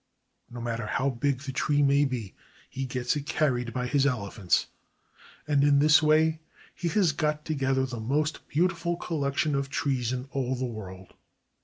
No matter how big the tree may be, he gets it carried by his elephants; and in this way he 103 CHINA has got together the most beautiful collection of trees in all the world.